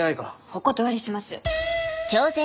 お断りします。